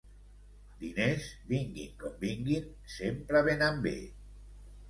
Diners, vinguin com vinguin, sempre venen bé.